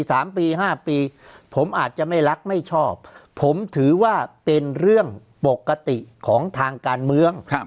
สามปีห้าปีผมอาจจะไม่รักไม่ชอบผมถือว่าเป็นเรื่องปกติของทางการเมืองครับ